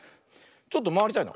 ちょっとまわりたいな。